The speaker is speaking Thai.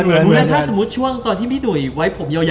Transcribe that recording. อเจมส์งั้นถ้าสมมติช่วงตอนที่พี่หนุยไว้ผมเยาหน่อย